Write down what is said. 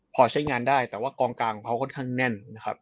พอใช้งานได้แต่ว่ากองกลางเขาค่อนข้างแน่น